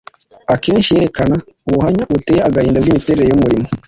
akenshi yerekana ubuhamya buteye agahinda bw’imiterere y’umurimo